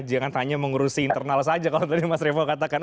jangan hanya mengurusi internal saja kalau tadi mas revo katakan